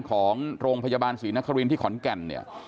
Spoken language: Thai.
ของโรงพยาบาลศรีนครินที่ขอนแก่นเนี่ย